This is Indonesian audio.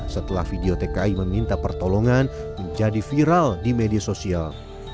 setelah video tki meminta pertolongan menjadi viral di media sosial